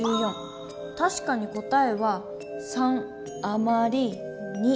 たしかに答えは３あまり２。